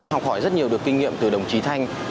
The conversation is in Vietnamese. học hỏi rất nhiều được kinh nghiệm từ đồng chí thanh